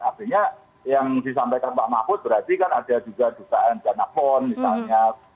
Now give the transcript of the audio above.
artinya yang disampaikan pak mahfud berarti kan ada juga dugaan dana pon misalnya